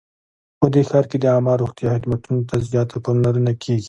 په دې ښار کې د عامه روغتیا خدمتونو ته زیاته پاملرنه کیږي